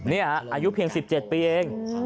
นี่อายุเพียง๑๗ปีเอง